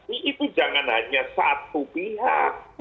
itu jangan hanya satu pihak